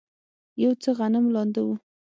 یو څه غنم لانده و.